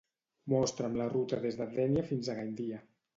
Mostra'm la ruta des de Dénia fins a Gandia